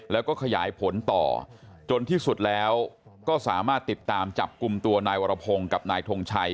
แล้วก็ขยายผลต่อจนที่สุดแล้วก็สามารถติดตามจับกลุ่มตัวนายวรพงศ์กับนายทงชัย